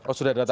oh sudah datang